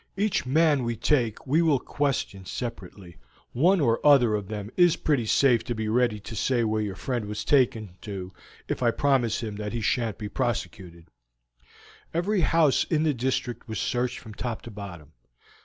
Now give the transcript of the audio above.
Each man we take we will question separately; one or other of them is pretty safe to be ready to say where your friend was taken to if I promise him that he shan't be prosecuted." Every house in the district was searched from top to bottom.